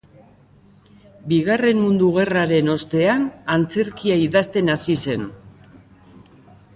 Bigarren Mundu Gerraren ostean, antzerkia idazten hasi zen.